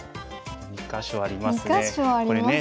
２か所ありますね。